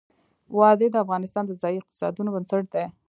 وادي د افغانستان د ځایي اقتصادونو بنسټ دی.